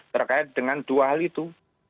terkait dengan dua hal itu